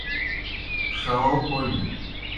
ݜہو کوْمیْ۔